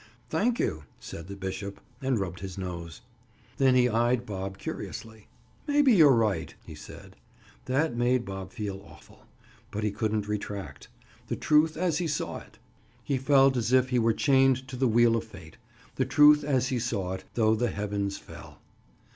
"Thank you," said the bishop, and rubbed his nose. Then he eyed Bob curiously. "Maybe you're right," he said. That made Bob feel awful, but he couldn't retract. The truth as he saw it!—He felt as if he were chained to the wheel of fate—the truth as he saw it, though the heavens fell!